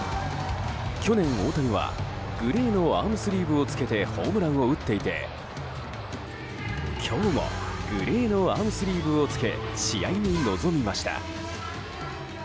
去年、大谷はグレーのアームスリーブをつけてホームランを打っていて今日もグレーのアームスリーブをつけ試合に臨みました。